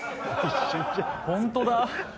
ホントだ。